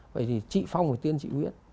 vậy thì trị phong phải tiên trị huyết